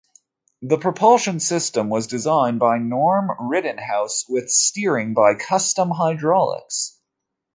The propulsion system was designed by Norm Rittenhouse, with steering by Custom Hydraulics.